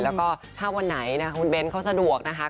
แล้วก็ถ้าวันไหนคุณเบ้นเขาสะดวกนะคะ